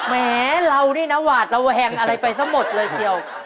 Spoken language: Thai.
แม้เรานี่นะวัดเราแห่งอะไรไปสักหมดเลยเชียว